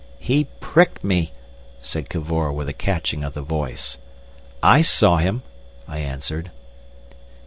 "He pricked me!" said Cavor, with a catching of the voice. "I saw him," I answered.